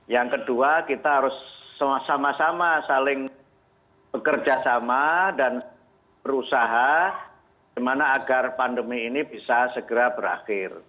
yang kedua kita harus sama sama saling bekerja sama dan berusaha bagaimana agar pandemi ini bisa segera berakhir